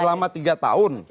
selama tiga tahun